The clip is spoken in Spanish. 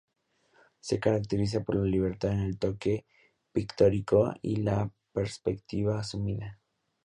Se caracteriza por la libertad en el toque pictórico y en la perspectiva asumida.